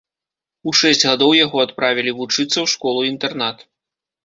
У шэсць гадоў яго адправілі вучыцца ў школу-інтэрнат.